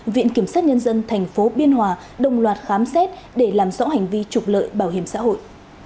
viện kiểm soát nhân dân thành phố biên hòa đồng loạt khám xét để làm rõ hành vi trục lợi bảo hiểm xã hội